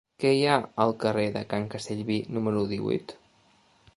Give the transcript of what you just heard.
Què hi ha al carrer de Can Castellví número divuit?